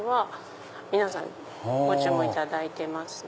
皆さんご注文いただいてますね。